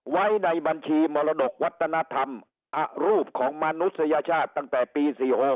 ไว้ในบัญชีมรดกวัฒนธรรมอรูปของมนุษยชาติตั้งแต่ปี๔๖